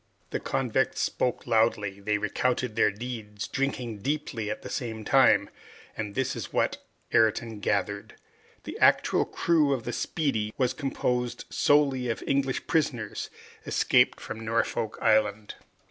The convicts spoke loudly, they recounted their deeds, drinking deeply at the same time, and this is what Ayrton gathered. The actual crew of the "Speedy" was composed solely of English prisoners, escaped from Norfolk Island.